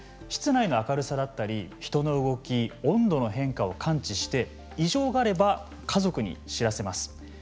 室内の明るさだったり人の動き温度の変化を感知して異常があれば家族に知らせます。